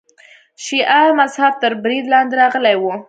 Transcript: شیعه مذهب تر برید لاندې راغلی و.